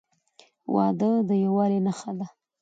• واده د یووالي نښه ده.